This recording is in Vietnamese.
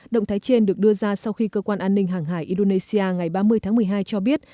động thái trên được đưa ra sau khi cơ quan an ninh hàng hải indonesia ngày ba mươi tháng một mươi hai cho biết